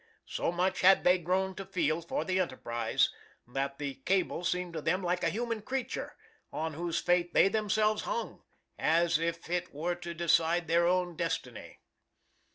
So much had they grown to feel for the enterprise, that the cable seemed to them like a human creature, on whose fate they themselves hung, as if it were to decide their own destiny.